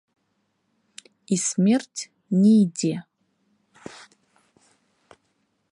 І смерць не ідзе!